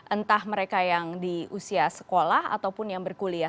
entah mereka yang di usia sekolah ataupun yang berkuliah